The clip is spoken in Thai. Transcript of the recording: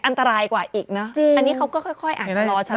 อันตรายกว่าอีกเนอะอันนี้เขาก็ค่อยอ่าชะลอไป